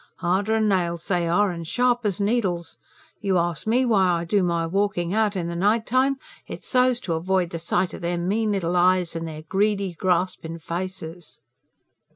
Harder 'n nails they are, and sharp as needles. You ask me why I do my walkin' out in the night time? It's so's to avoid the sight o' their mean little eyes, and their greedy, graspin' faces."